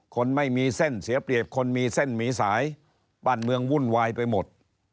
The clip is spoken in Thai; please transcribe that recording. คนไม่มีเส้นเสียเปรียบคนมีเส้นมีสายบ้านเมืองวุ่นวายไปหมด